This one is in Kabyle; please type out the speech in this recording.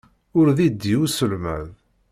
Ur d-iddi uselmad.